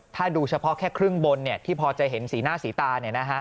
ถ้าดูเฉพาะแค่ครึ่งบนที่พอจะเห็นสีหน้าสีตา